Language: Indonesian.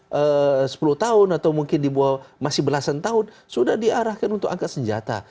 kemudian masih umur di bawah sepuluh tahun atau mungkin di bawah masih belasan tahun sudah diarahkan untuk angkat senjata